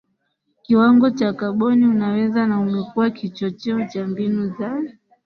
kiwango cha kaboni unaweza na umekuwa kichocheo cha mbinu za